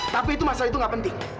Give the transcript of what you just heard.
tapi itu masalah itu nggak penting